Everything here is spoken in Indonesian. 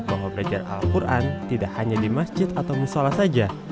bahwa belajar al quran tidak hanya di masjid atau musola saja